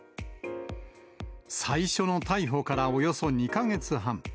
最初の逮捕からおよそ２か月半。